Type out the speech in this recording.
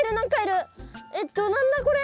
えっと何だこれ？